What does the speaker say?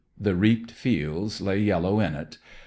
The reaped fields lay yellow in it.